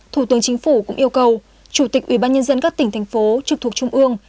thủ tướng chính phủ cũng yêu cầu chủ tịch ủy ban nhân dân các tỉnh thành phố trực thuộc trung ương